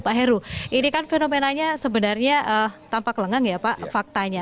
pak heru ini kan fenomenanya sebenarnya tampak lengang ya pak faktanya